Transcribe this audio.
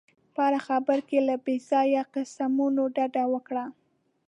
په هره خبره کې له بې ځایه قسمونو ډډه وکړه.